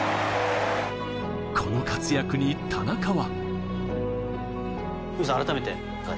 この活躍に田中は。